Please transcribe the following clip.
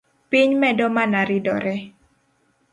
Piny medo mana ridore